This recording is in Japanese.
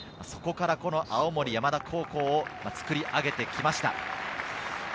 そこから青森山田高校を作り上げてきました。